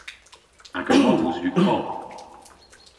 Aga moos yw koth.